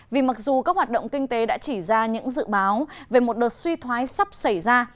vì mặc dù các hoạt động kinh tế đã chỉ ra những dự báo về một đợt suy thoái sắp xảy ra